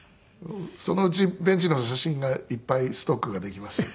そのうちベンチの写真がいっぱいストックができまして。